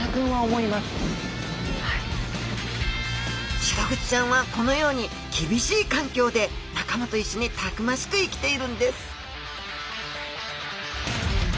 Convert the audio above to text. シログチちゃんはこのように厳しい環境で仲間と一緒にたくましく生きているんです！